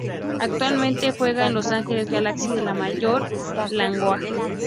Actualmente juega en Los Angeles Galaxy de la Major League Soccer.